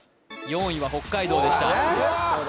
４位は北海道でしたほらな